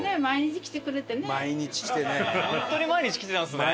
本当に毎日来てたんですね。